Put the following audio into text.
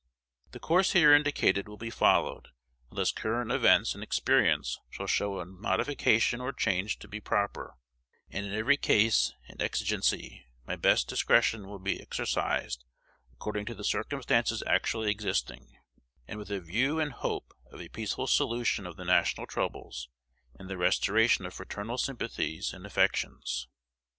The course here indicated will be followed, unless current events and experience shall show a modification or change to be proper; and in every case and exigency my best discretion will be exercised according to the circumstances actually existing, and with a view and hope of a peaceful solution of the national troubles, and the restoration of fraternal sympathies and affections.